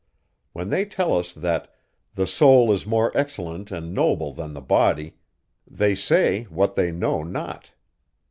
When they tell us, that the soul is more excellent and noble than the body, they say what they know not.